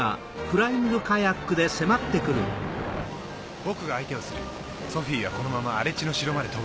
僕が相手をするソフィーはこのまま荒地の城まで飛ぶんだ。